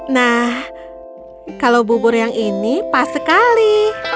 nah kalau bubur yang ini pas sekali